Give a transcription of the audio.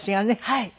はい。